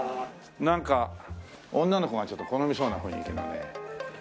なんか女の子がちょっと好みそうな雰囲気のね。